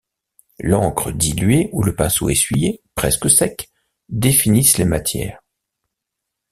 L'encre diluée ou le pinceau essuyé, presque sec, définissent les matières.